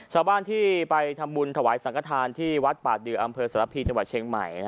ชาวบ้านที่ไปทำบุญถวายสังกฐานที่วัดป่าดืออำเภอสารพีจังหวัดเชียงใหม่